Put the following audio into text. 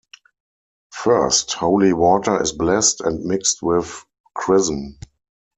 First, holy water is blessed and mixed with chrism.